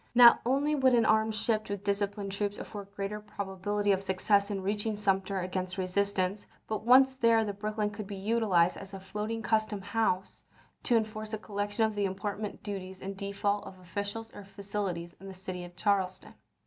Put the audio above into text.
Not only would an armed ship with disciplined troops afford greater probability of success in reaching Sumter against resistance, but once there the Brooklyn could be utilized as a floating custom house, to en force a collection of the import duties in default of officials or facilities in the city of Charleston.